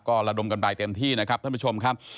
ก็ระดมกันไปเต็มที่นะครับท่านผู้ชมครับ